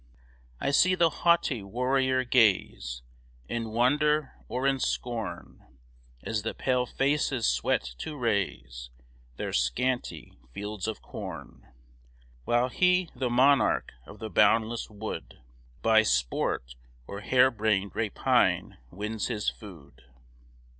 I see the haughty warrior gaze In wonder or in scorn, As the pale faces sweat to raise Their scanty fields of corn, While he, the monarch of the boundless wood, By sport, or hair brained rapine, wins his food.